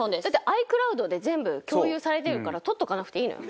ｉＣｌｏｕｄで全部共有されてるから取っとかなくていいのよ。